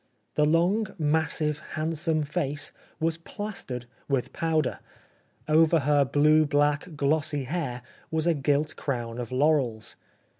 The long, massive, handsome face was plastered with powder. Over her blue black, glossy hair was a gilt crown of laurels.